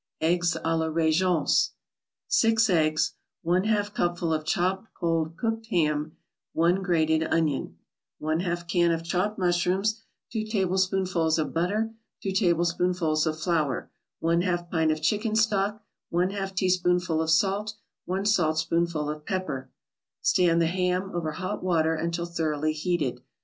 EGGS A LA REGENCE 6 eggs 1/2 cupful of chopped cold cooked ham 1 grated onion 1/2 can of chopped mushrooms 2 tablespoonfuls of butter 2 tablespoonfuls of flour 1/2 pint of chicken stock 1/2 teaspoonful of salt 1 saltspoonful of pepper Stand the ham over hot water until thoroughly heated.